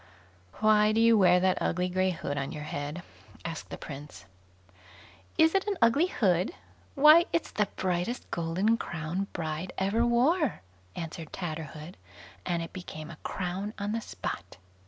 "Why do you wear that ugly grey hood on your head?" asked the Prince. "Is it an ugly hood? why, it's the brightest golden crown bride ever wore", answered Tatterhood, and it became a crown on the spot.